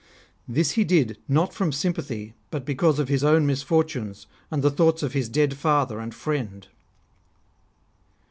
This he did, not from sympathy, but because of his own misfortunes, and the thoughts of his dead father and friend.